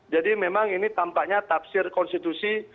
jadi memang ini tampaknya tafsir konstitusi